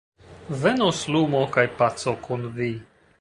Venos lumo kaj paco kun vi.